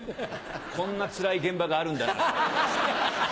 こんなつらい現場があるんだなと。